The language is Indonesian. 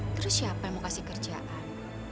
terus siapa yang mau kasih kerjaan